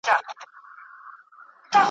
غزل مي درلېږمه خوښوې یې او که نه ,